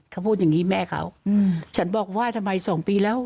เขาพูดอย่างงี้แม่เขาฉันบอกว่าทำไมสองปีแล้ว